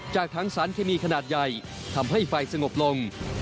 จากทั้งสารเคมีขนาดใหญ่ทำให้ไฟสงบลง